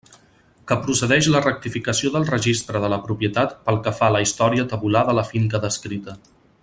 Que procedix la rectificació del registre de la propietat pel que fa a la història tabular de la finca descrita.